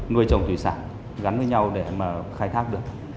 nuôi trồng thủy sản gắn với nhau để mà khai thác được